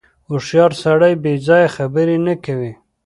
• هوښیار سړی بېځایه خبرې نه کوي.